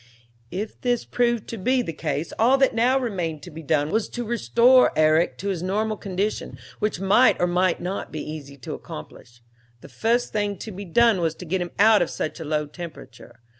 "If this proved to be the case, all that now remained to be done was to restore Herrick to his normal condition, which might or might not be easy to accomplish. The first thing to be done was to get him out of such a low temperature.